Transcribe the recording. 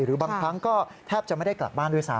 หรือบางครั้งก็แทบจะไม่ได้กลับบ้านด้วยซ้